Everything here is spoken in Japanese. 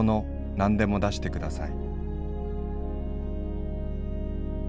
何でも出してください」。